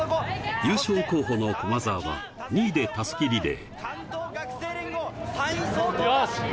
優勝候補の駒澤は２位で襷リレー。